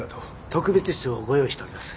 特別室をご用意しております。